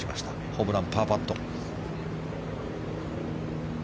ホブラン、パーパット。